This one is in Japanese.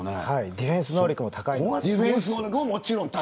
ディフェンス能力も高いです。